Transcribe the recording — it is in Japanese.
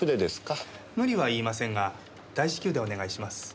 無理は言いませんが大至急でお願いします。